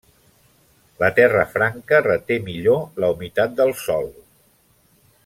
La terra franca reté millor la humitat del sòl.